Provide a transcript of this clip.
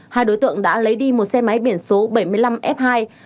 hai đối tượng đã lấy đi một xe máy biển số bảy mươi năm f hai hai nghìn chín mươi